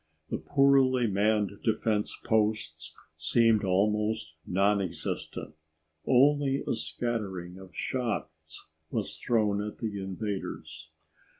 The poorly manned defense posts seemed almost non existent. Only a scattering of shots was thrown at the invaders.